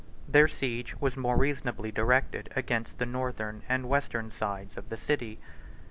Their siege was more reasonably directed against the northern and western sides of the city.